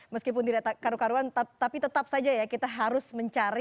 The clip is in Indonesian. meskipun tidak karu karuan tapi tetap saja ya kita harus mencari